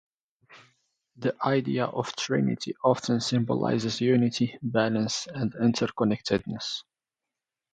The idea of a trinity often symbolizes unity, balance, and interconnectedness.